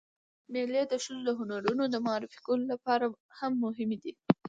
مېلې د ښځو د هنرونو د معرفي کولو له پاره هم مهمې دي.